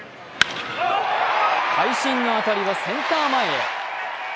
会心の当たりでセンター前へ。